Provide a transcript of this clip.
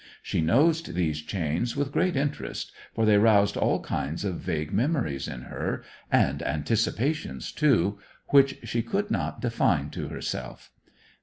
She nosed these chains with great interest, for they roused all kinds of vague memories in her, and anticipations, too, which she could not define to herself.